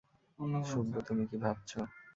সুব্বু, তুমি কী ভাবছ?